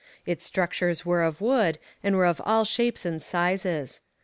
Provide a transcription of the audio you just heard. Its structures were of wood and were of all shapes and sizes.